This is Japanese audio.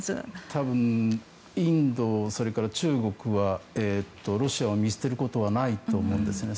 多分、インドそれから中国はロシアを見捨てることはないと思うんですね。